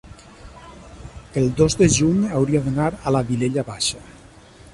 el dos de juny hauria d'anar a la Vilella Baixa.